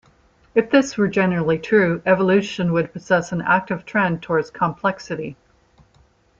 If this were generally true, evolution would possess an active trend towards complexity.